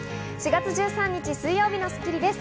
４月１３日、水曜日の『スッキリ』です。